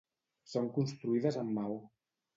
Són construïdes amb maó.